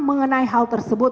mengenai hal tersebut